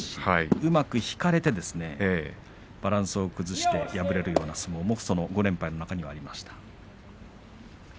うまく引かれてバランスを崩して敗れるような相撲も５連敗の中にはありました。